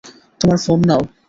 তোমার ফোন নাও।